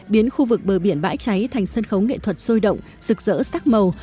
biến khu vực bờ biển bãi cháy thành sân khấu nghệ thuật sôi động rực rỡ sắc màu